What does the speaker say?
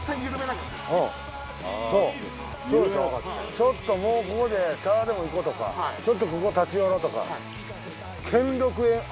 ちょっともうここで茶でも行こうとかちょっとここ立ち寄ろうとか。